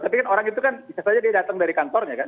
tapi kan orang itu kan bisa saja dia datang dari kantornya kan